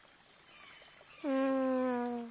うん。